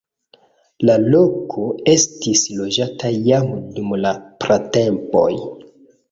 La loko estis loĝata jam dum la pratempoj.